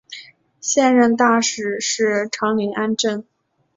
现任大使是长岭安政。